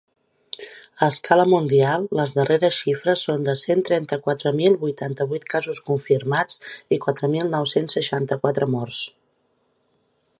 A escala mundial les darreres xifres són de cent trenta-quatre mil vuitanta-vuit casos confirmats i quatre mil nou-cents seixanta-quatre morts.